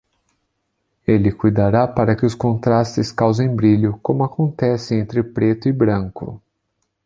Ele cuidará para que os contrastes causem brilho, como acontece entre preto e branco.